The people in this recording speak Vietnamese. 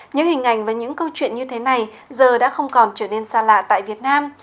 những hình ảnh và những câu chuyện như thế này giờ đã không còn trở nên xa lạ tại việt nam